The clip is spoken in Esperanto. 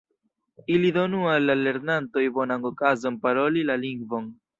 Ili donu al la lernantoj bonan okazon paroli la lingvon.